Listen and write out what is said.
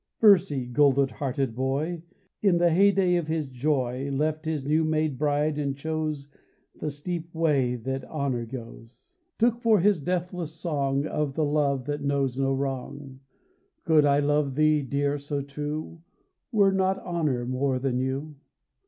Percy, golden hearted boy, In the heyday of his joy Left his new made bride and chose The steep way that Honour goes. 36 FLOWER OF YOUTH Took for his the deathless song Of the love that knows no wrong : Could I love thee, dear, so true Were not Honour more than you